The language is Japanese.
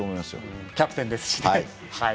キャプテンですしね。